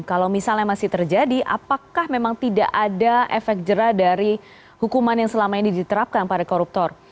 kalau misalnya masih terjadi apakah memang tidak ada efek jerah dari hukuman yang selama ini diterapkan para koruptor